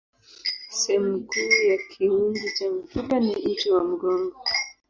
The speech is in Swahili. Sehemu kuu ya kiunzi cha mifupa ni uti wa mgongo.